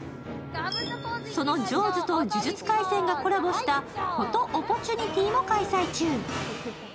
その「ジョーズ」と「呪術廻戦」がコラボしたフォト・オポチュニティも開催中。